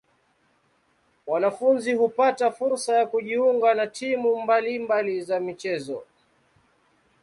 Wanafunzi hupata fursa ya kujiunga na timu mbali mbali za michezo.